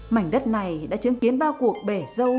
mảnh đất này đã chứng kiến bao cuộc bể dâu dâu bể